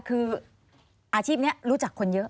คืออาชีพนี้รู้จักคนเยอะ